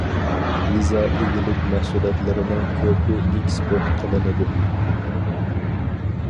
يېزا ئىگىلىك مەھسۇلاتلىرىنىڭ كۆپى ئېكسپورت قىلىنىدۇ.